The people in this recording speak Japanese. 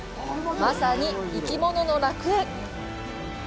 まさに生き物の楽園！